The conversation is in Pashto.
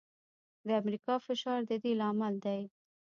د امریکا فشار د دې لامل دی.